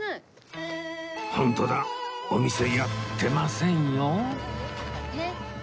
ホントだお店やってませんよ